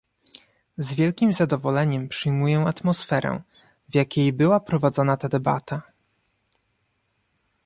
Z wielkim zadowoleniem przyjmuję atmosferę, w jakiej była prowadzona ta debata